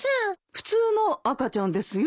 普通の赤ちゃんですよ。